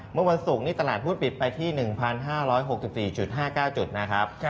เมื่อวันศุกร์นี้ตลาดหุ้นปิดไปที่๑๕๖๔๕๙จุดนะครับ